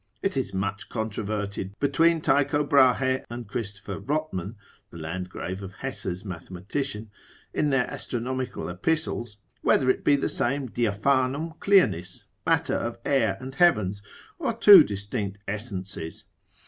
It is much controverted between Tycho Brahe and Christopher Rotman, the landgrave of Hesse's mathematician, in their astronomical epistles, whether it be the same Diaphanum clearness, matter of air and heavens, or two distinct essences?